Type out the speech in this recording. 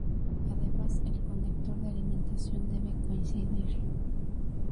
Además, el conector de alimentación debe coincidir.